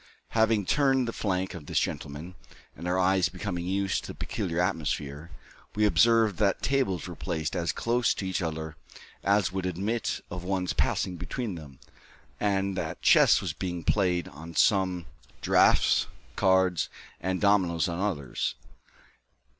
Having turned the flank of this gentleman, and our eyes becoming used to the peculiar atmosphere, we observed that tables were placed as close to each other as would admit of one's passing between them, and that chess was being played on some, draughts, cards, and dominoes on others.